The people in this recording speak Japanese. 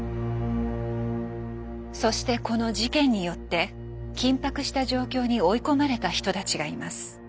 そしてこの事件によって緊迫した状況に追い込まれた人たちがいます。